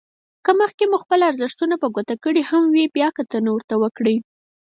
که مخکې مو خپل ارزښتونه په ګوته کړي هم وي بيا کتنه ورته وکړئ.